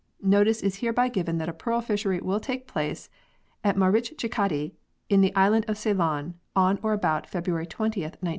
"Notice is hereby given that a Pearl Fishery will take place at Marichchikkaddi in the Island of Ceylon, on or about February 20, 1905.